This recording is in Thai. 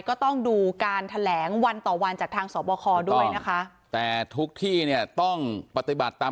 ก็ต้องดูการแถลงวันต่อวันจากทางสอบคอด้วยนะคะแต่ทุกที่เนี่ยต้องปฏิบัติตาม